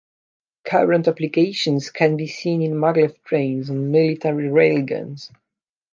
Current applications can be seen in maglev trains and military railguns.